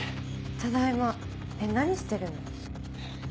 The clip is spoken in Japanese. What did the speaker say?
ただいまえっ何してるの？